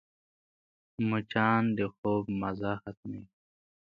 مچان د خوب مزه ختموي